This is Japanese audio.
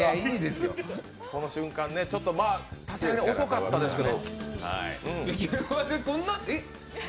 この瞬間ね、立ち上がり、遅かったですけど。